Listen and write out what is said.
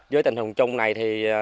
với tình hình chung này thì